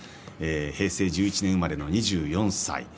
平成１１年生まれの２４歳です。